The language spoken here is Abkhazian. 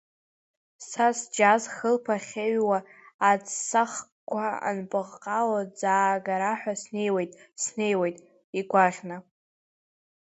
Са сџьаз-хылԥа хьеҩуа, аҵса-хқәа анпыҟҟало, ӡаагара ҳәа снеиуеит, снеиуеит игәаӷьны.